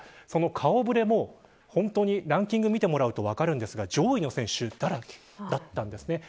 その顔触れもランキングを見てもらうと分かるですが上位の選手だらけだったんです。